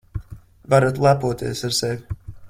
Varat lepoties ar sevi.